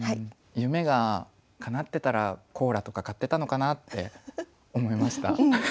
夢がかなってたらコーラとか買ってたのかなって思いました。